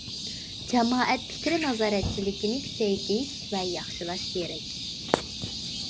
جامائەت پىكرى نازارەتچىلىكىنى كۈچەيتىش ۋە ياخشىلاش كېرەك.